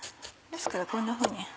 ですからこんなふうに。